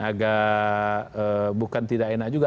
agak bukan tidak enak juga